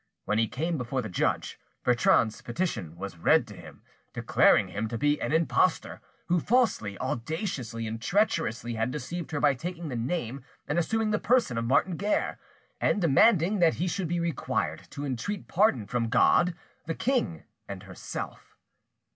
When he came before the judge, Bertrande's petition was read to him, declaring him to be "an impostor, who falsely, audaciously, and treacherously had deceived her by taking the name and assuming the person of Martin Guerre," and demanding that he should be required to entreat pardon from God, the king, and herself.